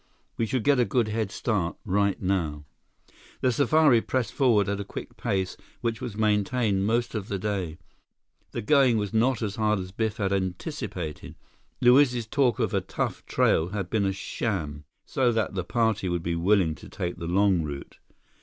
We should get a good head start, right now." The safari pressed forward at a quick pace which was maintained most of the day. The going was not as hard as Biff had anticipated. Luiz's talk of a tough trail had been a sham, so that the party would be willing to take the long route.